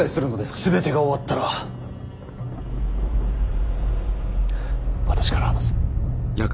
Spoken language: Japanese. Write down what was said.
全てが終わったら私から話す。